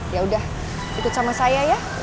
yaudah ikut sama saya ya